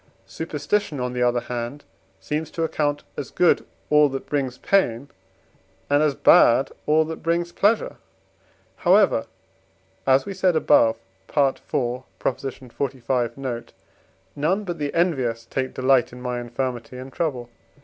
Superstition, on the other hand, seems to account as good all that brings pain, and as bad all that brings pleasure. However, as we said above (IV. xlv. note), none but the envious take delight in my infirmity and trouble.